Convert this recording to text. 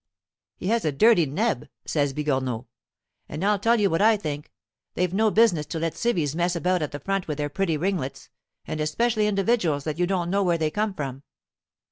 "He has a dirty neb," says Bigornot; "and I'll tell you what I think they've no business to let civvies mess about at the front with their pretty ringlets, and especially individuals that you don't know where they come from."